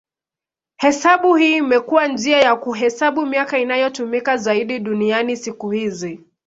Hesabu hii imekuwa njia ya kuhesabu miaka inayotumika zaidi duniani siku hizi.